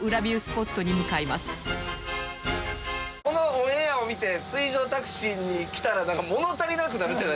このオンエアを見て水上タクシーに来たらなんか物足りなくなるんじゃないですか？